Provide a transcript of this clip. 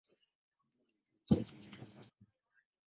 V ni zaidi ya Kiingereza "w".